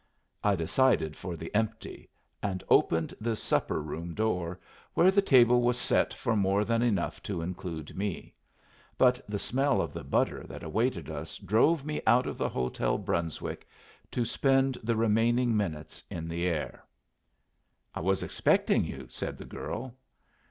I decided for the empty, and opened the supper room door, where the table was set for more than enough to include me; but the smell of the butter that awaited us drove me out of the Hotel Brunswick to spend the remaining minutes in the air. "I was expecting you," said the girl.